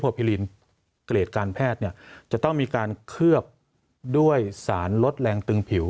เกรดการแพทย์เนี่ยจะต้องมีการเคลือบด้วยสารลดแรงตึงผิว